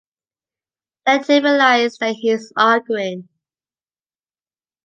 Let him realize that he is arguing.